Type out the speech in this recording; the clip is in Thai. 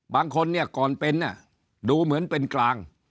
บางคนเนี่ยก่อนเป็นดูเหมือนเป็นกลาง